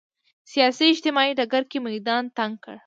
سیاسي اجتماعي ډګر کې میدان تنګ کړ